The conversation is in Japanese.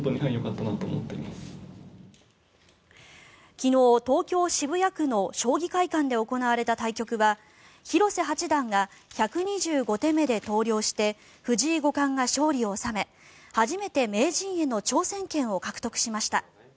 昨日、東京・渋谷区の将棋会館で行われた対局は広瀬八段が１２５手目で投了して藤井五冠が勝利を収め初めて名人への挑戦権を獲得しました。